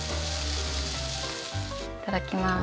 いただきます。